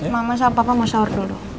mama sama papa mau sahur dulu